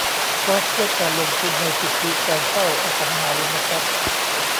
ทรัสต์เพื่อการลงทุนในสิทธิการเช่าอสังหาริมทรัพย์